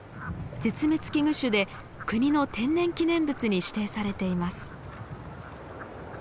絶滅危惧種で国の天然記念物に指定されています。